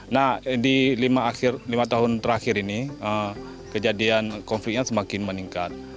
nah di lima tahun terakhir ini kejadian konfliknya semakin meningkat